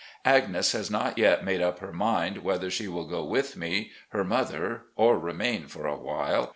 Agnes has not yet made up her mind whether she will go with me, her mother, or remain for a while.